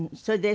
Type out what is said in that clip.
そう。